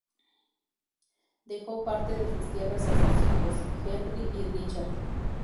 Dejó parte de sus tierras a sus hijos, Henry y Richard.